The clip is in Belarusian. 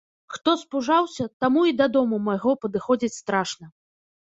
Хто спужаўся, таму і да дому майго падыходзіць страшна.